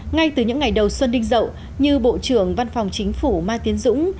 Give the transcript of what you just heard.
ngay từ những ngày đầu xuân đinh rậu như bộ trưởng văn phòng chính phủ mai tiến dũng